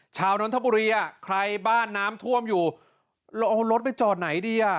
ชาวน้นทบุรีใครบ้านน้ำท่วมอยู่เอารถไปจอดไหนดี